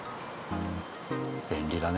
便利だね